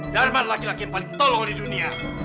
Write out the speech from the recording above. darman laki laki yang paling tolong di dunia